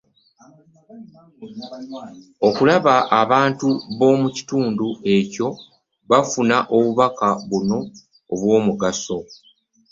Okulaba ng’abantu b’omu kitundu kyo bafuna obubaka buno obw’omugaso.